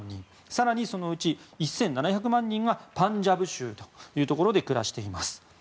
更にそのうち１７００万人がパンジャブ州というところで暮らしています。